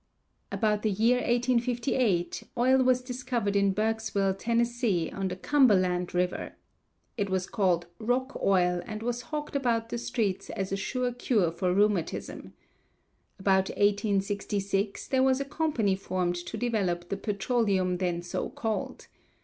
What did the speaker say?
About the year 1858 oil was discovered in Berksville, Tenn., on the Cumberland River. It was called rock oil and was hawked about the streets as a sure cure for rheumatism. About 1866 there was a company formed to develop the petroleum then so called.